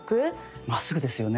まっすぐですよね。